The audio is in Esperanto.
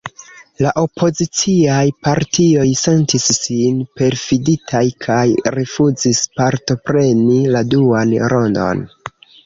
La opoziciaj partioj sentis sin perfiditaj kaj rifuzis partopreni la duan rondon.